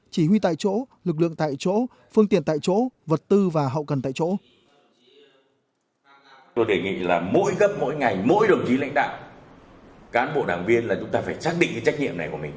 chỉ huy tại chỗ lực lượng tại chỗ phương tiện tại chỗ vật tư và hậu cần tại chỗ